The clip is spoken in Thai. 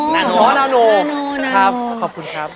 นาโนนะครับขอบคุณครับ